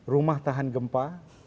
rumah tahan gempa